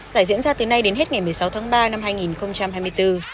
giải diễn ra từ nay đến hết ngày một mươi sáu tháng ba năm hai nghìn hai mươi bốn